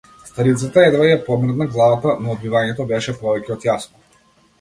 Старицата едвај ја помрдна главата, но одбивањето беше повеќе од јасно.